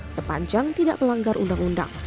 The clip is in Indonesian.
sepanjang tidak melanggar undang undang